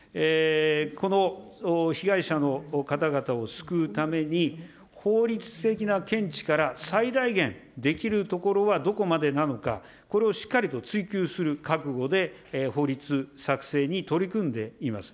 この被害者の方々を救うために、法律的な見地から最大限できるところはどこまでなのか、これをしっかりと追求する覚悟で法律作成に取り組んでいます。